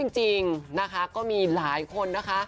จริงมีหลายคน